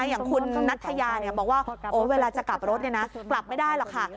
อย่างคุณนัทยาบอกว่าเวลาจะกลับรถกลับไม่ได้หรอกค่ะ